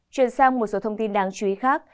chuyển sang một số thông tin đáng chú ý khác